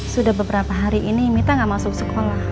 sudah beberapa hari ini mita nggak masuk sekolah